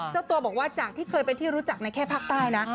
เจ้าตัวบอกว่าจากที่เคยเป็นที่รู้จักในแค่ภาคใต้นะ